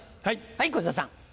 はい小遊三さん。